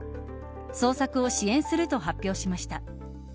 捜索を支援すると発表しました。